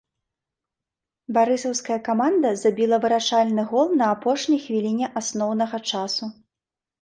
Барысаўская каманда забіла вырашальны гол на апошняй хвіліне асноўнага часу.